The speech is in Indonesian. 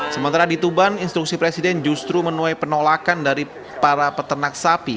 sementara di tuban instruksi presiden justru menuai penolakan dari para peternak sapi